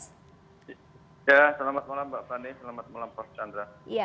ya selamat malam mbak fani selamat malam prof chandra